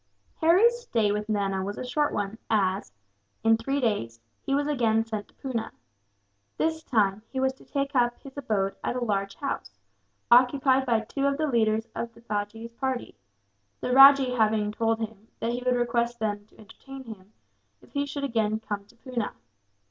Harry's stay with Nana was a short one as, in three days, he was again sent to Poona. This time he was to take up his abode at a large house, occupied by two of the leaders of Bajee's party; the rajah having told him that he would request them to entertain him, if he should again come to Poona.